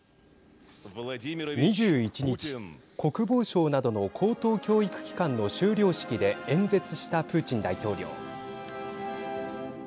２１日、国防省などの高等教育機関の修了式で演説したプーチン大統領。